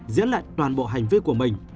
diễn lại toàn bộ hành vi của mình